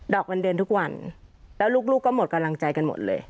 อกวันเดือนทุกวันแล้วลูกก็หมดกำลังใจกันหมดเลย